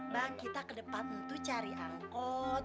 bang kita ke depan itu cari angkot